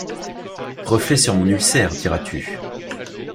Reflet sur mon ulcère, diras-tu.